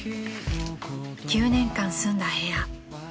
［９年間住んだ部屋］